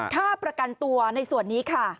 ค่าประกันตัวในส่วนนี้ค่ะ